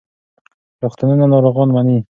روغتونونه ناروغان مني.